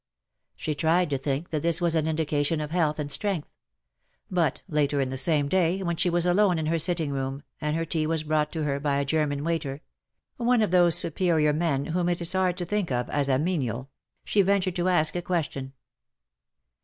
She tried to think that this was an indication of health and strength — but later in the same day, when she was alone in her sitting room,, and her tea was brought to her by a German waiter — one of those superior men whom it is hard to think of as a menial — she ventured to ask a question.